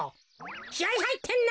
きあいはいってんな！